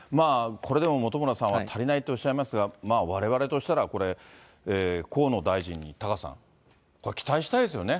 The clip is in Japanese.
これでも本村さんは足りないとおっしゃいますが、われわれとしたら、これ、河野大臣にタカさん、期待したいですよね。